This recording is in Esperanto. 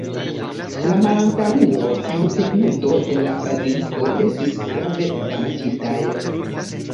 La malantaŭo kaj tegmento de la baziliko estis grave damaĝitaj.